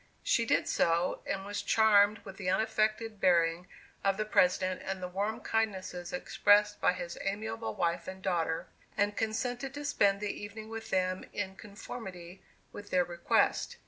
She did so, and was charmed with the unaffected bearing of the President, and the warm kindnesses expressed by his amiable wife and daughter, and consented to spend the evening with them in conformity with their request.